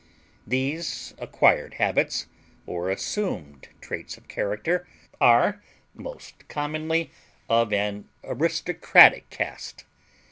These acquired habits, or assumed traits of character, are most commonly of an aristocratic cast.